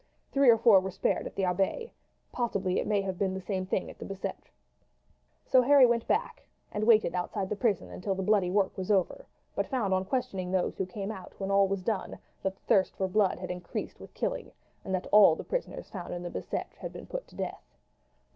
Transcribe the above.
Three or four were spared at the Abbaye. Possibly it may have been the same thing at the Bicetre." So Harry went back and waited outside the prison until the bloody work was over; but found on questioning those who came out when all was done that the thirst for blood had increased with killing, and that all the prisoners found in the Bicetre had been put to death.